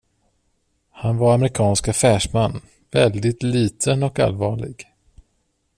Han var amerikansk affärsman väldigt liten och allvarlig.